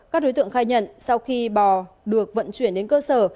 các đối tượng khai nhận sau khi bò được vận chuyển đến cơ sở